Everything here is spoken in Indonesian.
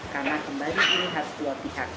karena kembali ini harus dua pihak